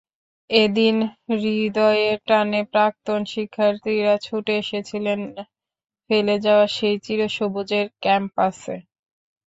এদিন হূদয়ের টানে প্রাক্তন শিক্ষার্থীরা ছুটে এসেছিলেন ফেলে যাওয়া সেই চিরসবুজের ক্যাম্পাসে।